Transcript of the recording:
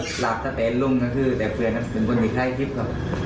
แฟนดูครับ